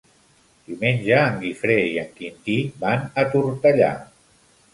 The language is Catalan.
Diumenge en Guifré i en Quintí van a Tortellà.